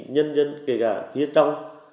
nhân dân kể cả phía trong